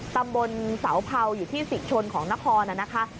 ตำบลเสาเผาอยู่ที่ศิษชนของนครนะคะ